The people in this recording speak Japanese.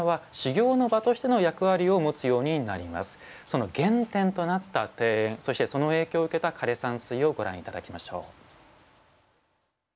その原点となった庭園そしてその影響を受けた枯山水をご覧頂きましょう。